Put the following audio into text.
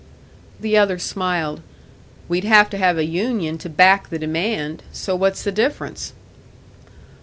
The other smiled. "We'd have to have a union to back the demand; so what's the difference?"